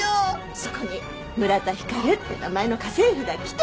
そこに村田光って名前の家政夫が来て。